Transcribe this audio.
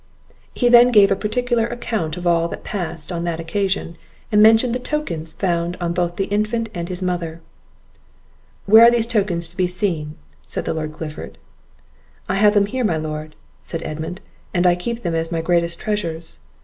He then gave a particular account of all that passed on that occasion, and mentioned the tokens found on both the infant and his mother. "Where are these tokens to be seen?" said the Lord Clifford. "I have them here, my lord," said Edmund, "and I keep them as my greatest treasures."